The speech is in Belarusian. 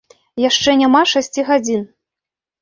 Яшчэ няма шасці гадзін.